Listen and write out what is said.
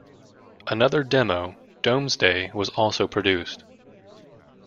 Another demo "Domesday" was also produced.